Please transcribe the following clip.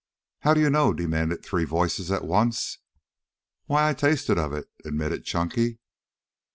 "How do you know?" demanded three voices at once. "Why, I tasted of it," admitted Chunky.